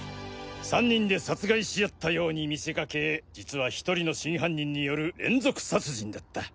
３人で殺害し合ったように見せかけ実は１人の真犯人による連続殺人だった。